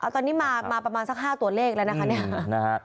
ตอนนี้มาประมาณสัก๕ตัวเลขแล้วนะคะเนี่ย